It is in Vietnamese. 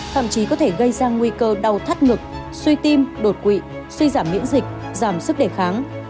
thậm chí có thể gây ra nguy cơ đau thắt ngực suy tim đột quỵ suy giảm miễn dịch giảm sức đề kháng